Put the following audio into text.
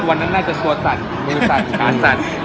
วันนั้นน่าจะตัวสั่นมือสั่นขาสั่น